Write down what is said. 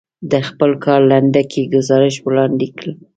د خپل کار لنډکی ګزارش وړاندې کړ.